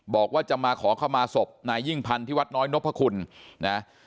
บอกว่าจะมาขอเข้ามาศพนายยิ่งพันธ์ที่วัดน้อยนพคุณนะ